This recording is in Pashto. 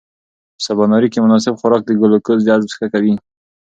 په سباناري کې مناسب خوراک د ګلوکوز جذب ښه کوي.